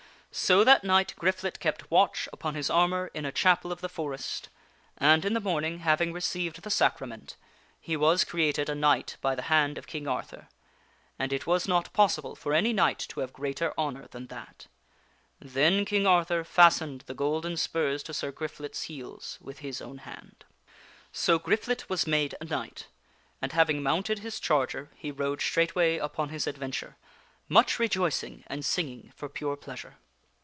So that night Griflet kept watch upon his armor in a chapel of the forest, and, in the morning, having received the Sacrament, he was created a knight by the hand of King Arthur and it was not pos King Arihur sible for any knight to have greater honor than that. Then makes Griflet King Arthur fastened the golden spurs to Sir Griflet's heels with his own hand. So Griflet was made a knight, and having mounted his charger, he rode straightway upon his adventure, much rejoicing and singing for pure pleasure.